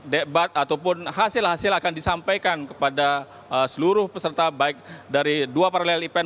debat ataupun hasil hasil akan disampaikan kepada seluruh peserta baik dari dua paralel event